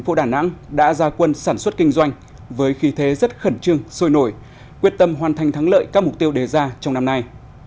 phố đà nẵng đã ra quân sản xuất kinh doanh với khí thế rất khẩn trương sôi nổi quyết tâm hoàn thành thắng lợi các mục tiêu đề ra trong năm nay